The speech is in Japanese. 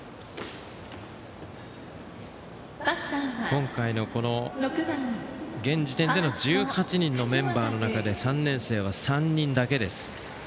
今回の現時点での１８人のメンバーの中で３年生は３人だけです。